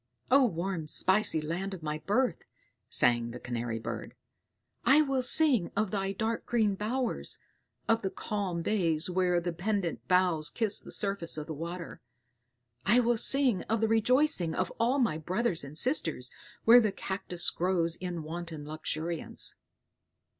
"O warm spicy land of my birth," sang the Canary bird; "I will sing of thy dark green bowers, of the calm bays where the pendent boughs kiss the surface of the water; I will sing of the rejoicing of all my brothers and sisters where the cactus grows in wanton luxuriance."